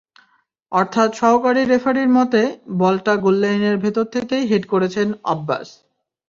অর্থাৎ সহকারী রেফারির মতে, বলটা গোললাইনের ভেতর থেকেই হেড করেছেন আব্বাস।